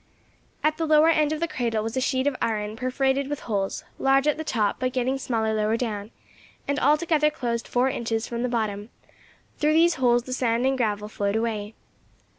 At the lower end of the cradle was a sheet of iron perforated with holes, large at the top, but getting smaller lower down, and altogether closed four inches from the bottom; through these holes the sand and gravel flowed away.